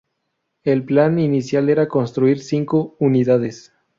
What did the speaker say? El plan inicial era construir cinco unidades.